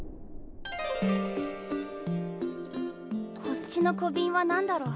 こっちの小瓶はなんだろ？